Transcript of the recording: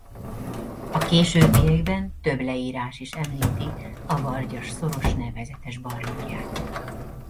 A későbbiekben több leírás is említi a Vargyas-szoros nevezetes barlangját.